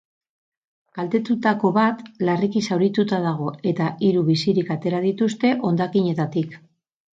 Kaltetutako bat larriki zaurituta dago, eta hiru bizirik atera dituzte hondakinetatik.